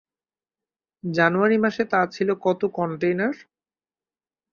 জানুয়ারি মাসে তা ছিল কত কনটেইনার?